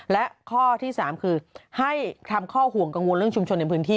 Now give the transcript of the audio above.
และข้อที่๓คือให้ทำข้อห่วงกังวลเรื่องชุมชนในพื้นที่